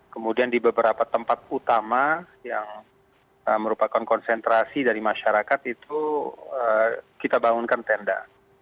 kemudian di beberapa tempat utama yang merupakan konsentrasi dari masyarakat itu kita bangunkan tenda